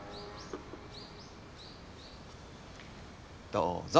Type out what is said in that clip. どうぞ。